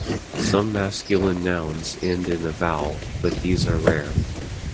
Some masculine nouns end in a vowel, but these are rare.